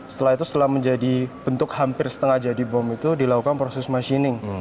setelah itu setelah menjadi bentuk hampir setengah jadi bom itu dilakukan proses machining